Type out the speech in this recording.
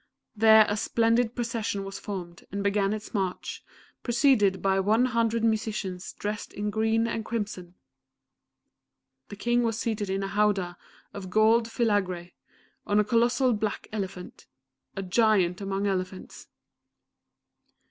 There a splendid procession was formed and began its march, preceded by one hundred musicians dressed in green and crimson. The King was seated in a howdah of gold fillagree, on a colossal black elephant a giant among elephants.